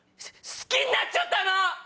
好きになっちゃったの！